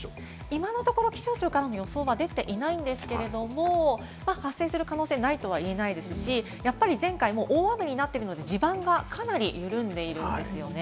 今のところ気象庁からの予想は出ていないんですけれども、発生する可能性がないとは言えないですし、前回も大雨になっているので、地盤がかなり緩んでいるんですね。